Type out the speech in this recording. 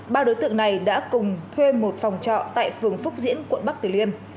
ba đối tượng này đã cùng thuê một phòng trọ tại phường phúc diễn quận bắc tử liêm